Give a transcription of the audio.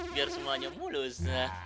biar semuanya mulus